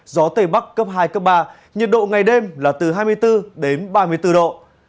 gió tây bắc cấp hai cấp ba nhiệt độ ngày đêm là từ hai mươi bốn đến ba mươi bốn độ